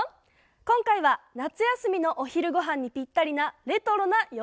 今回は夏休みのお昼ご飯にぴったりなレトロな洋食。